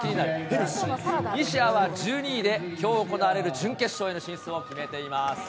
西矢は１２位で、きょう行われる準決勝への進出を決めています。